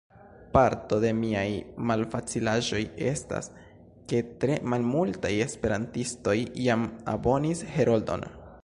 Parto de miaj malfacilaĵoj estas, ke tre malmultaj esperantistoj jam abonis Heroldon.